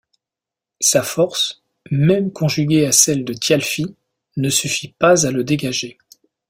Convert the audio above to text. Sa force, même conjuguée à celle de Thialfi, ne suffit pas à le dégager.